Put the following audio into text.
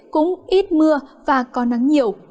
cũng ít mưa và có nắng nhiều